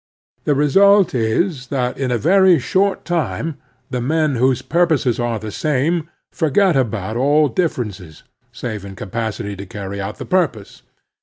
The result is that in a very short time the men whose purposes are the same forget about all differences, save in capacity to carry out the purpose.